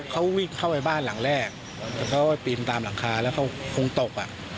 ก็ไล่เขาเขาวินเข้าไปบ้านหลังแรกเขาก็พินตามหลังคาแล้วเขาคงตกอ่ะ